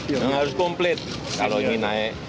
harus komplit kalau ini naik